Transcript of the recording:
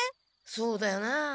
そうだよな。